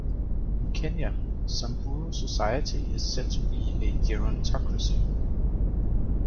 In Kenya, Samburu society is said to be a gerontocracy.